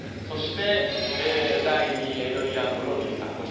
そして、第２位エイドリアン・ブロディさん